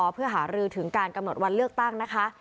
เพื่อหารือถึงการกำหนดวันเลือกตั้งนะคะ